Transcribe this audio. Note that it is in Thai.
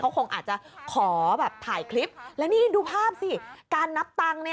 เขาคงอาจจะขอแบบถ่ายคลิปแล้วนี่ดูภาพสิการนับตังค์เนี่ย